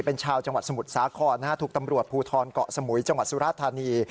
เป็นชาวจังหวัดสมุทรสาครนะฮะถูกตำรวจภูทรเกาะสมุยจังหวัดสุราธานี